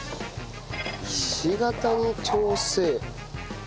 ひし形に調整。